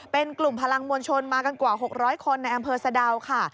เป็นกลุ่มพลังมวลชนมากันกว่า๖๐๐คนในอำเภอสะดาวค่ะ